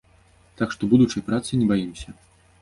Так што будучай працы не баімся.